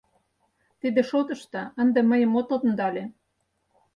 Тиде шотышто ынде мыйым от ондале...